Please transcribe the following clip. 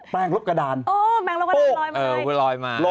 แปงรบกระดานโป๊บปุ๊บไปรอยมา